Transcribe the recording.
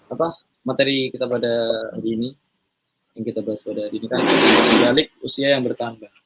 apa materi kita pada hari ini yang kita bahas pada hari ini kan balik usia yang bertambah